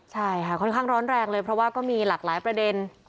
ใช่ค่ะค่อนข้างร้อนแรงเลยเพราะว่าก็มีหลากหลายประเด็น